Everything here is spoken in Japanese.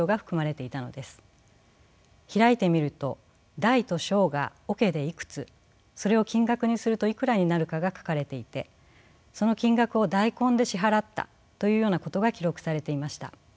開いてみると大と小が桶でいくつそれを金額にするといくらになるかが書かれていてその金額を大根で支払ったというようなことが記録されていました。